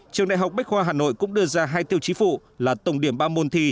trường đại học bách khoa hà nội cũng đưa ra hai tiêu chí phụ là tổng điểm ba môn thi